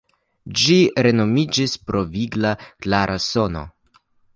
Ĝi renomiĝis pro vigla, klara sono.